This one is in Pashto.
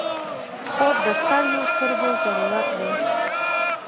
خوب د ستړیو سترګو ضرورت دی